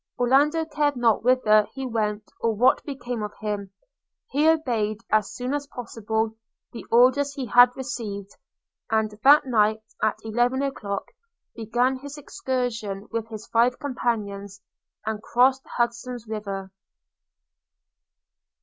Orlando cared not whither he went or what became of him – he obeyed, as soon as possible, the orders he had received; and that night, at eleven o'clock, began his excursion with his five companions, and crossed Hudson's River.